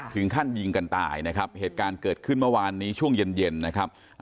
ถึงขั้นยิงกันตายนะครับเหตุการณ์เกิดขึ้นเมื่อวานนี้ช่วงเย็นเย็นนะครับ